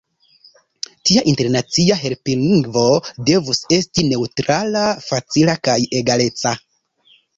Tia internacia helplingvo devus esti neŭtrala, facila kaj egaleca.